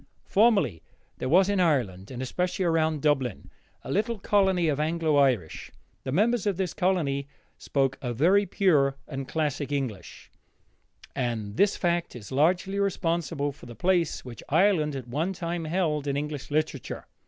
Formerly there was in Ireland, and especially around Dublin, a little colony of Anglo Irish. The members of this colony spoke a very pure and classic English, and this fact is largely responsible for the place which Ireland at one time held in English literature.